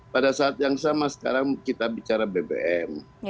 pada saat yang sama sekarang kita bicara bbm